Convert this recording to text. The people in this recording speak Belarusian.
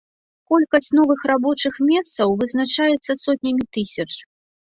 Колькасць новых рабочых месцаў вызначаецца сотнямі тысяч.